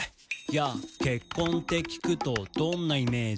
「ＹＡ結婚って聴くとどんなイメージ？」